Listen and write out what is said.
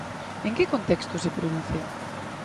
En que contexto se produce?